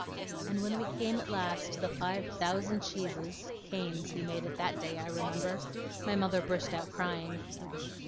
And when we came at last to the five thousand cheeses (canes he made it that day, I remember), my mother burst out crying.